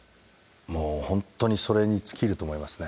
もうほんとにそれに尽きると思いますね。